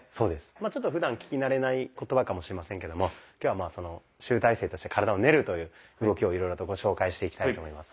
まあちょっとふだん聞き慣れない言葉かもしれませんけども今日は集大成として「体を練る」という動きをいろいろとご紹介していきたいと思います。